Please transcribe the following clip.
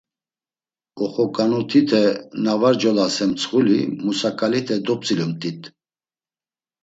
Oxoǩanuteti na var colasen mtsxuli musaǩalite dop̌tzilumt̆it.